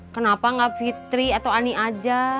kenapa nggak fitri atau ani aja